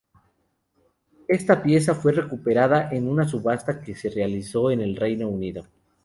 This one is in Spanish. Esta pieza fue recuperada en una subasta que se realizó en Reino Unido.